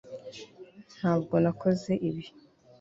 ntabwo nakoze ibi